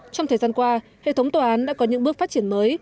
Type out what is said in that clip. trong thời gian qua hệ thống tòa án đã có những bước phát triển mới